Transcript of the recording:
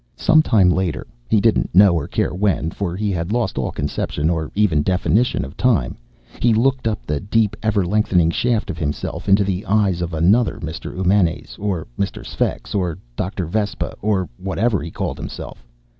Some time later he didn't know or care when, for he had lost all conception or even definition of time he looked up the deep everlengthening shaft of himself into the eyes of another Mr. Eumenes or Mr. Sphex or Dr. Vespa or whatever he called himself.